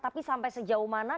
tapi sampai sejauh mana